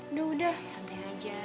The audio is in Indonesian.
udah udah santai aja